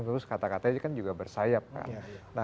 terus kata katanya kan juga bersayap kan